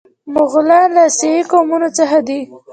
مغولان له اسیایي قومونو څخه دي.